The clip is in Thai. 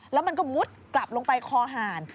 แล้วมันก็มุดกลับลงไปคอหาร